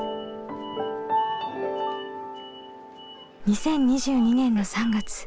２０２２年の３月。